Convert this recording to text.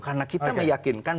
karena kita meyakinkan